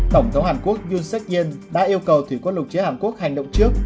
tổng thống hàn quốc yoon seok yien đã yêu cầu thủy quân lục chiến hàn quốc hành động trước